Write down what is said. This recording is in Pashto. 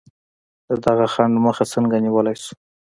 د دغه خنډ مخه څنګه نیولای شو؟